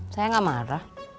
saya nggak marah